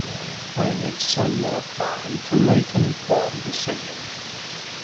I need some more time to make an informed decision.